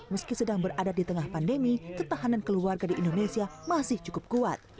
meski sedang berada di tengah pandemi ketahanan keluarga di indonesia masih cukup kuat